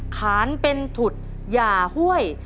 ขานเป็นถุดหย่าห้วย